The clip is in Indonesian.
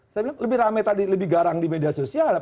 saya bilang lebih rame tadi lebih garang di media sosial